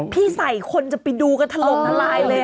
พี่ใส่คนจะไปดูกันถล่มทลายเลย